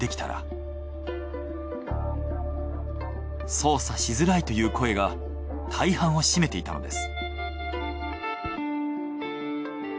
操作しづらいという声が大半を占めていたのです。